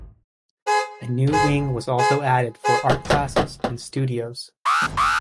A new wing was also added for art classes and studios.